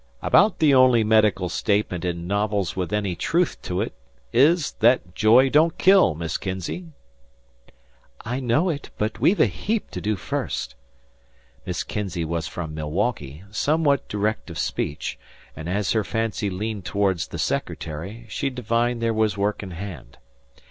"About the only medical statement in novels with any truth to it is that joy don't kill, Miss Kinzey." "I know it; but we've a heap to do first." Miss Kinzey was from Milwaukee, somewhat direct of speech; and as her fancy leaned towards the secretary, she divined there was work in hand.